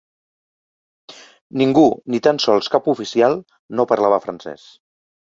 Ningú, ni tan sols cap oficial, no parlava francès